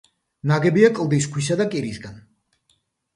ნაგებია კლდის ქვისა და კირისაგან.